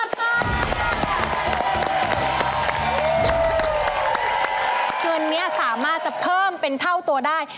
เงินนี้สามารถจะเพิ่มเป็นเท่าตัวได้